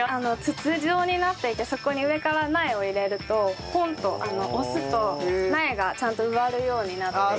筒状になっていてそこに上から苗を入れるとポンと押すと苗がちゃんと植わるようになっていて。